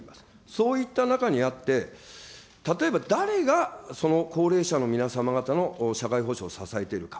そういった中にあって、例えば、誰がその高齢者の皆様方の社会保障を支えているか。